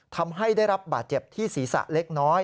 ทำให้ได้รับบาดเจ็บที่ศีรษะเล็กน้อย